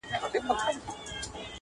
دواړو ویډیوګاني کړي دي